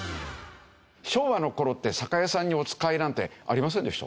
昭和の頃って酒屋さんにおつかいなんてありませんでした？